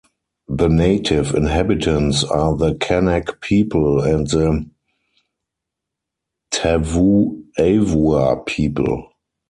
The native inhabitants are the Kanak people and the Tavu'avua' people.